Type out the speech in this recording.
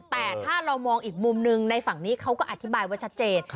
แต่ถ้าเรามองอีกมุมหนึ่งในฝั่งนี้เขาก็อธิบายไว้ชัดเจน